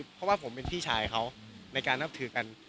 เพราะว่าผมเป็นพี่ชายเขาในการนับถือกัน